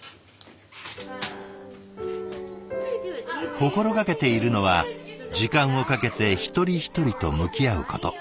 心がけているのは時間をかけて一人一人と向き合うこと。